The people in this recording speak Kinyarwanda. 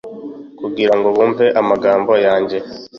kugira ngo bumve amagambo yanjye